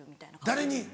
誰に？